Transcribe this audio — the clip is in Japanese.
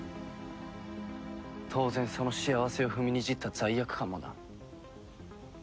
当然その幸せを踏みにじった罪悪感もな。